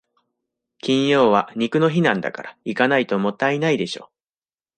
金曜は肉の日なんだから、行かないともったいないでしょ。